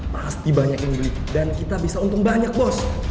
pasti banyak yang beli dan kita bisa untung banyak bos